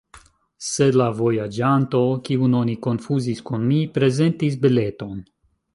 Sed la vojaĝanto, kiun oni konfuzis kun mi, prezentis bileton.